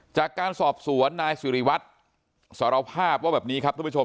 จากการสอบสวนนายซีริวัฒน์สร้อพาบว่าแบบนี้